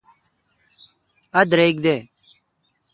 اؘ درک دے۔